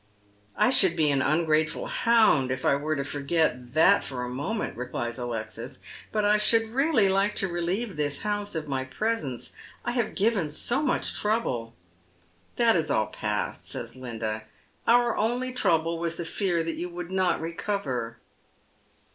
" I should be an ungrateful hound if I were to forget that foi a moment," replies Alexis, " but I should really like to relieve this house of my presence ; I have given so much trouble." " That is all past," says Linda. " Our only trouble was the fear that you would not recover."